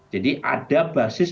jadi ada basis